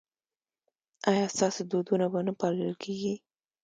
ایا ستاسو دودونه به نه پالل کیږي؟